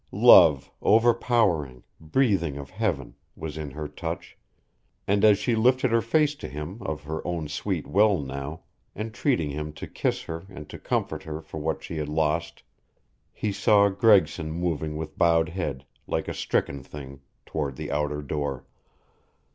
Love, overpowering, breathing of heaven, was in her touch, and as she lifted her face to him of her own sweet will now, entreating him to kiss her and to comfort her for what she had lost, he saw Gregson moving with bowed head, like a stricken thing, toward the outer door.